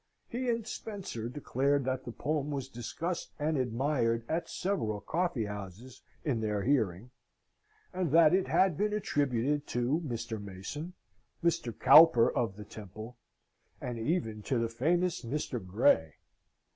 He and Spencer declared that the poem was discussed and admired at several coffee houses in their hearing, and that it had been attributed to Mr. Mason, Mr. Cowper of the Temple, and even to the famous Mr. Gray.